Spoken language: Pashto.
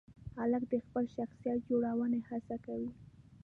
هلک د خپل شخصیت جوړونې هڅه کوي.